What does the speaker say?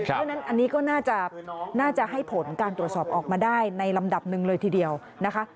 เพราะฉะนั้นอันนี้ก็น่าจะให้ผลการตรวจสอบออกมาได้ในลำดับหนึ่งเลยทีเดียวนะคะ